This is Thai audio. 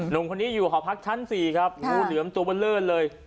ลุงคนนี้อยู่หอพักชั้น๔ครับมุ่นเหลือมตัวเบอร์เลิศเลย